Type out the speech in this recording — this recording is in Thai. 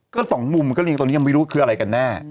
ก็สองมุมก็เรียงตอนนี้ยังไม่รู้คืออะไรกันแน่